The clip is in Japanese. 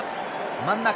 真ん中。